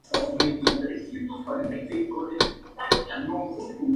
Las flores, frutos y semillas son comestibles y se preparan y consumen en Japón.